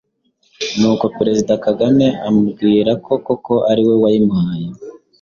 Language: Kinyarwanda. Nuko Perezida Kagame amubwira ko koko ari we wayimuhaye,